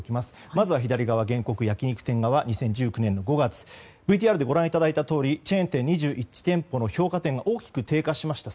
まずは原告、焼き肉店側２０１９年５月ＶＴＲでご覧いただいたとおりチェーン店２１店舗の評価点が大きく低下しました。